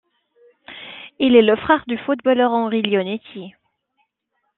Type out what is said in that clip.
Il est le frère du footballeur Henri Leonetti.